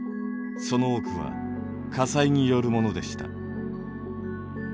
その多くは火災によるものでした。